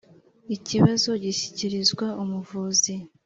ikibazo gishyikirizwa umuvuzi.